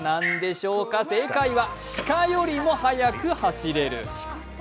正解はシカよりも速く走れる。